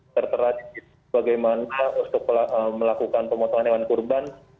tertera bagaimana untuk melakukan pemotongan hewan kurban